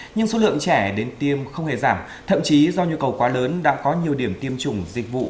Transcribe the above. nhưng số lượng trẻ đến tiêm không hề giảm thậm chí do nhu cầu quá lớn đã có nhiều điểm tiêm chủng dịch vụ